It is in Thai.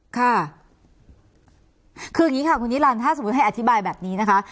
ค่ะคืออย่างนี้ค่ะคุณนิรันดิถ้าสมมุติให้อธิบายแบบนี้นะคะ